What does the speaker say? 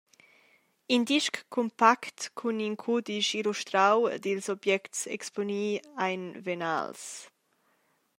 In disc cumpact cun in cudisch illustrau ed ils objects exponi ein venals.